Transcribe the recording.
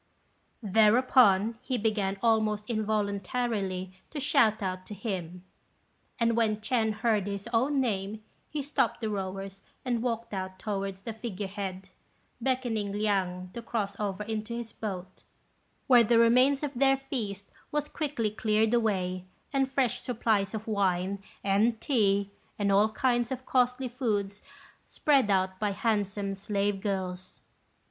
Thereupon he began almost involuntarily to shout out to him; and when Ch'ên heard his own name, he stopped the rowers, and walked out towards the figure head, beckoning Liang to cross over into his boat, where the remains of their feast was quickly cleared away, and fresh supplies of wine, and tea, and all kinds of costly foods spread out by handsome slave girls.